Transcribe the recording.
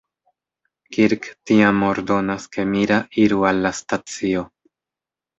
Kirk tiam ordonas ke Mira iru al la stacio.